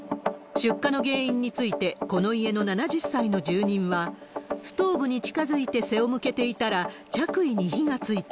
出火の原因について、この家の７０歳の住人は、ストーブに近づいて背を向けていたら、着衣に火がついた。